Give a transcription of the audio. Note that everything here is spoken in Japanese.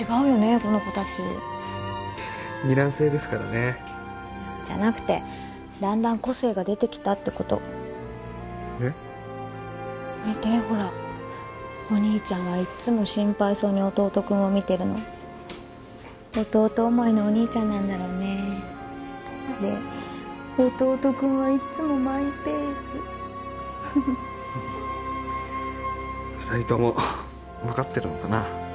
この子たち二卵性ですからねじゃなくてだんだん個性が出てきたってこと見てほらお兄ちゃんはいつも心配そうに弟君を見てるの弟思いのお兄ちゃんなんだろうねで弟君はいっつもマイペース二人とも分かってるのかな